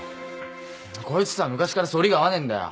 こいつとは昔から反りが合わねえんだよ。